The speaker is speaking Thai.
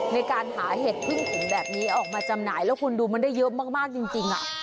ในการหาเห็ดพึ่งผมแบบนี้ออกมาจำหน่ายแล้วคุณดูมันได้เยอะมากจริง